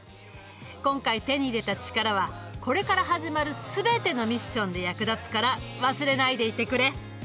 今回手に入れたチカラはこれから始まる全てのミッションで役立つから忘れないでいてくれ。